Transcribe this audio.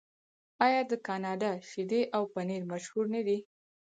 آیا د کاناډا شیدې او پنیر مشهور نه دي؟